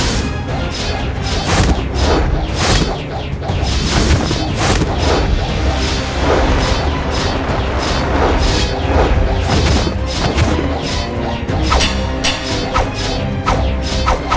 mas padahal kita mau